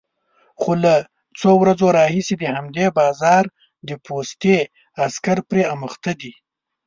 خو له څو ورځو راهيسې د همدې بازار د پوستې عسکر پرې اموخته دي،